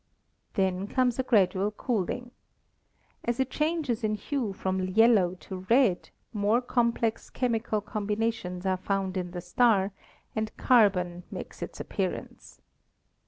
Then comes a gradual cooling. As it changes in hue from yellow to red, more complex chemical combinations are found in the star, and carbon makes its appearance.